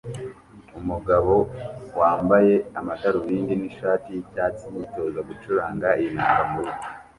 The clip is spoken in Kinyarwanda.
Umugabo wambaye amadarubindi nishati yicyatsi yitoza gucuranga inanga murugo